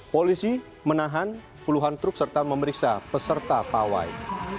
polisi menahan puluhan truk serta memeriksa peserta pawai